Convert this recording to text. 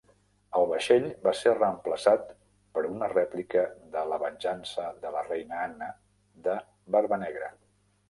El vaixell va ser reemplaçat per una rèplica de la "Venjança de la Reina Anna", de Barbanegra.